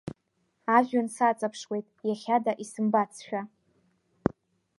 Ажәҩан саҵаԥшуеит, иахьада исымбацшәа…